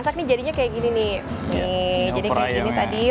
sisa bintang ini lagi mulai merenges lagi nih yafi nah